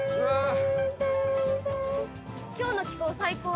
今日の気候最高。